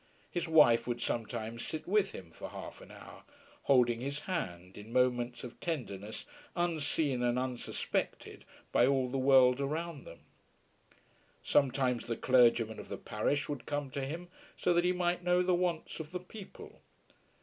His wife would sometimes sit with him for half an hour, holding his hand, in moments of tenderness unseen and unsuspected by all the world around them. Sometimes the clergyman of the parish would come to him, so that he might know the wants of the people.